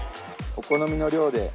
お好みの量で。